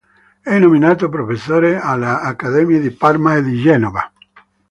È nominato professore alle Accademie di Parma e di Genova.